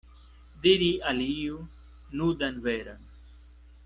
Diri al iu nudan veron.